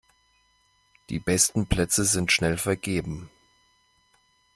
Die besten Plätze sind schnell vergeben.